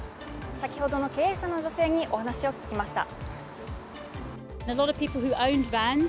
先ほどの経営者の女性にお話を聞きました。